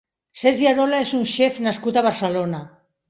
Sergi Arola és un xef nascut a Barcelona.